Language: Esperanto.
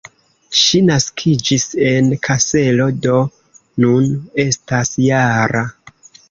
Ŝi naskiĝis en Kaselo, do nun estas -jara.